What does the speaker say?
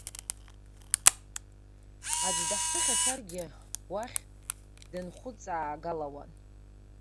Аӡәы даҳԥыхьашәаргьы уахь дынхәыҵаагалауан.